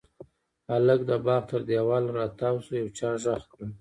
هلک د باغ تر دېواله را تاو شو، يو چا غږ کړل: